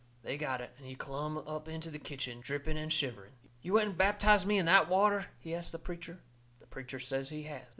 They got it, and he clumb up into the kitchen, dripping and shivering. "You went and baptized me in that water?" he asts the preacher. The preacher says he has.